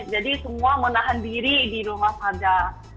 jadi semua menahan diri di rumah saja